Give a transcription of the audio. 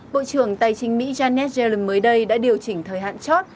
bộ trưởng tài chính mỹ janet zelen mới đây đã điều chỉnh thời hạn chót